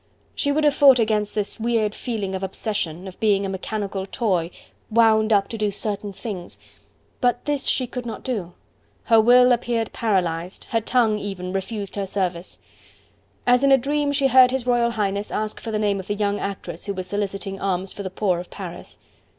She would have fought against this weird feeling of obsession, of being a mechanical toy would up to do certain things, but this she could not do; her will appeared paralysed, her tongue even refused her service. As in a dream she heard His Royal Highness ask for the name of the young actress who was soliciting alms for the poor of Paris.